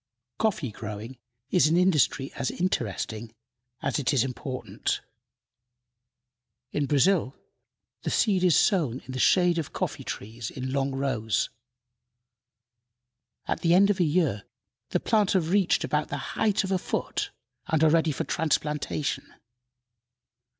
Coffee growing is an industry as interesting as it is important. In Brazil the seed is sown in the shade of coffee trees in long rows. At the end of a year the plants have reached about the height of a foot, and are ready for transplantation.